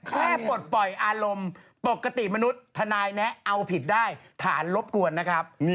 ปลดปล่อยอารมณ์ปกติมนุษย์ทนายแนะเอาผิดได้ฐานรบกวนนะครับ